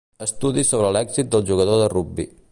Estudi sobre l'èxit del jugador de rugbi.